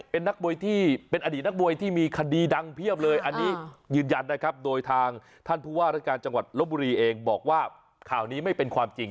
เป็นนักมวยที่เป็นอดีตนักมวยที่มีคดีดังเพียบเลยอันนี้ยืนยันนะครับโดยทางท่านผู้ว่ารัฐการจังหวัดลบบุรีเองบอกว่าข่าวนี้ไม่เป็นความจริง